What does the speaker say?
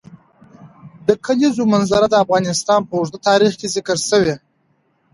د کلیزو منظره د افغانستان په اوږده تاریخ کې ذکر شوی دی.